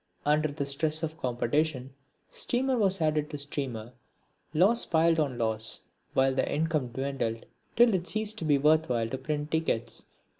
Under the stress of competition steamer was added to steamer, loss piled on loss, while the income dwindled till it ceased to be worth while to print tickets.